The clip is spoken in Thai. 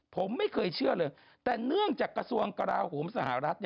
ผมไม่เคยเชื่อเลยแต่เนื่องจากกระทรวงกราโหมสหรัฐ